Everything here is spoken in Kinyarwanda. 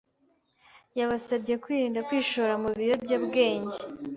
yabasabye kwirinda kwishora mu biyobyabwenge,